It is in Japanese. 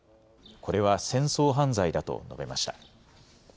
これは戦争犯罪だと述べました。